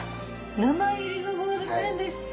名前入りのボールペンでした。